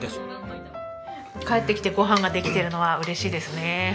帰ってきてご飯ができてるのは嬉しいですね。